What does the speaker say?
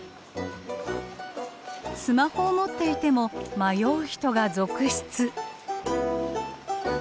スマホを持っていても迷う人が続出。